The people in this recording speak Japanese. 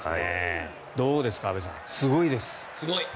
どうですか、安部さんすごいです。